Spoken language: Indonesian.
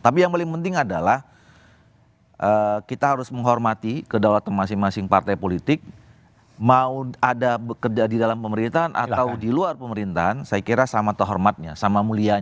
tapi yang paling penting adalah kita harus menghormati kedaulatan masing masing partai politik mau ada bekerja di dalam pemerintahan atau di luar pemerintahan saya kira sama terhormatnya sama mulianya